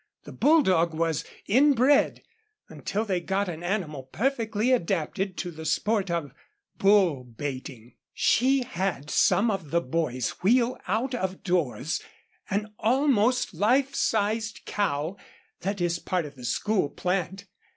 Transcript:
The bulldog was inbred, until they got an animal perfectly adapted to the sport of bull baiting. She had some of the boys wheel out of doors an almost life sized cow that is part of the school plant.